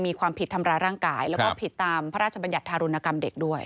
มีความผิดทำร้ายร่างกายแล้วก็ผิดตามพระราชบัญญัติธารุณกรรมเด็กด้วย